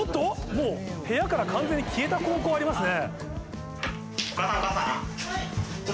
もう部屋から完全に消えた高校ありますね。